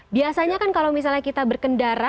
biasanya kan kalau misalnya kita berkendara